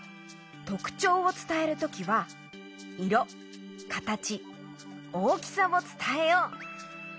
とくちょうをつたえるときはいろかたち大きさをつたえよう。